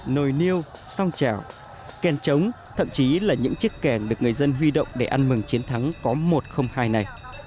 nồi niêu song chảo kèn trống thậm chí là những chiếc kèn được người dân huy động để ăn mừng chiến thắng có một hai này